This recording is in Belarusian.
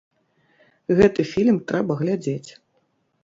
Гэты фільм трэба глядзець!